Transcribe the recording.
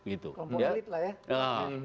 itu sangat sulit lah ya